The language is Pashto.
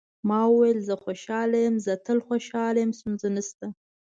ما وویل: زه خوشاله یم، زه تل خوشاله یم، ستونزه نشته.